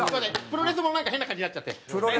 プロレスもなんか変な感じになっちゃって。